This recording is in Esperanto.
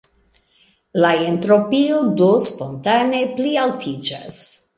La entropio do spontane plialtiĝas.